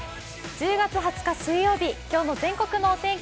１０月２０日水曜日、今日の全国のお天気